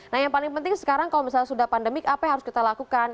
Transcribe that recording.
nah yang paling penting sekarang kalau misalnya sudah pandemik apa yang harus kita lakukan